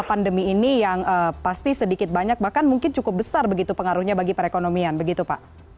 sebenarnya itu adalah satu dari keuntungan kami yang pasti sedikit banyak bahkan mungkin cukup besar begitu pengaruhnya bagi perekonomian begitu pak